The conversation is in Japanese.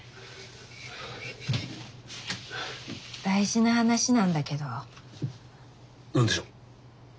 大事な話なんだけど。何でしょう？